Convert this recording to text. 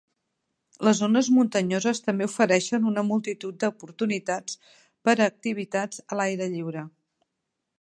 Les zones muntanyoses també ofereixen una multitud d'oportunitats per a activitats a l'aire lliure.